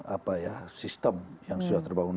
apa ya sistem yang sudah terbangun